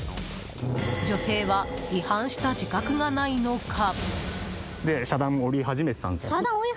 女性は違反した自覚がないのか。